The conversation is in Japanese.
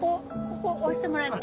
ここ押してもらって。